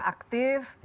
supaya tidak menjadi